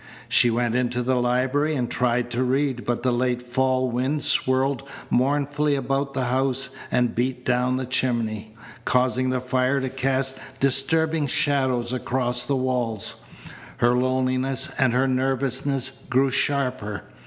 She went into the library and tried to read, but the late fall wind swirled mournfully about the house and beat down the chimney, causing the fire to cast disturbing shadows across the walls. Her loneliness, and her nervousness, grew sharper.